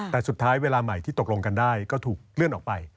แต่สุดท้ายเวลาใหม่ที่ตกลงกันได้ก็ถูกเลื่อนออกไป